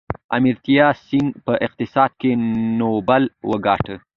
امرتیا سین په اقتصاد کې نوبل وګاټه.